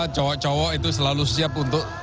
cowok cowok itu selalu siap untuk